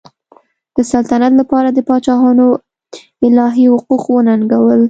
د سلطنت لپاره د پاچاهانو الهي حقوق وننګول.